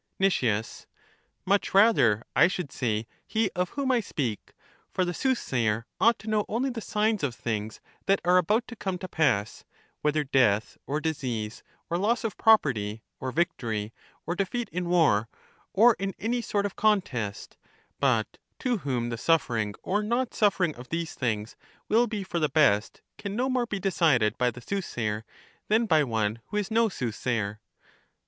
Nic, Much rather I should say he of whom I speak ; for the soothsayer ought to know only the signs of things that are about to come to pass, whether death or disease, or loss of property, or victory, or defeat in war, or in any sort of contest; but to whom the suffering or not suffering of these things will be for the best, can no more be decided by the soothsayer than by one who is no soothsayer.